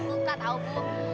suka tahu bu